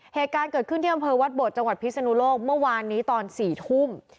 เหตุการณ์เกิดขึ้นที่อำเภอวัดโบดจังหวัดพิศนุโลกเมื่อวานนี้ตอน๔ทุ่ม